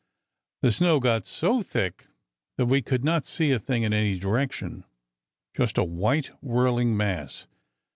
The snow got so thick that we could not see a thing in any direction—just a white, whirling mass.